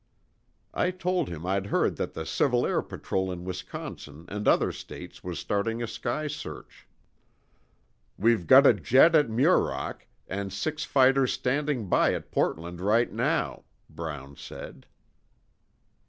I told him I'd heard that the Civil Air Patrol in Wisconsin and other states was starting a sky search. "We've got a jet at Muroc, and six fighters standing by at Portland right now," Brown said.